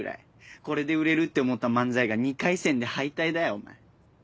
これで売れるって思った漫才が２回戦で敗退だよお前。